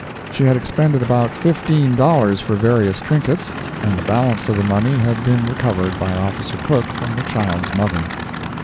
She had expended about fifteen dollars for various trinkets, and the balance of the money had been recovered by Officer Cook from the child's mother.